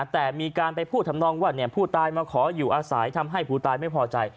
แต่มีการไปพูดทำนองว่าผู้ตายมาขออยู่อาศัยทำให้ผู้ตายไม่พอใจ